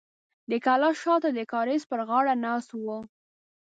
د کلا شاته د کاریز پر غاړه ناست و.